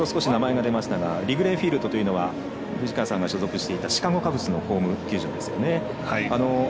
先ほど名前が出ましたがリグレーフィールドは藤川さんが所属していたシカゴ・カブスの球場です。